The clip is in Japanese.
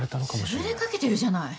つぶれかけてるじゃない。